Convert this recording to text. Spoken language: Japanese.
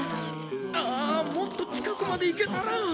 ああもっと近くまで行けたら。